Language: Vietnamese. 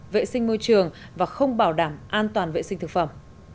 vệ sinh môi trường và không bảo đảm an toàn vệ sinh thực phẩm